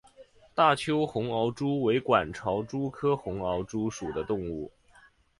大邱红螯蛛为管巢蛛科红螯蛛属的动物。